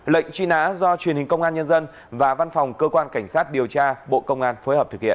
lệnh truy nã do truyền hình công an nhân dân và văn phòng cơ quan cảnh sát điều tra bộ công an phối hợp thực hiện